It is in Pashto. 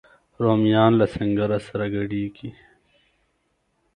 رومیان له سنګره سره ګډیږي